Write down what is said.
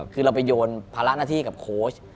คือเราไปโยนภาระหน้าที่กับโค้ช